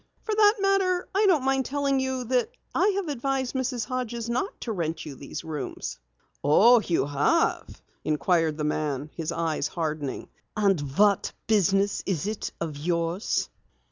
"For that matter, I don't mind telling you that I have advised Mrs. Hodges not to rent you these rooms." "Oh, you have?" inquired the man, his eyes hardening. "And what business is it of yours?"